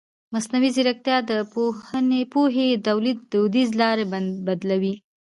مصنوعي ځیرکتیا د پوهې د تولید دودیزې لارې بدلوي.